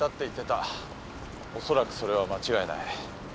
おそらくそれは間違いない。